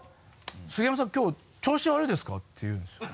杉山さんきょう調子悪いですか？」って言うんですよ。